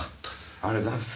ありがとうございます。